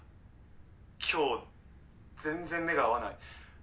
今日全然目が合わない。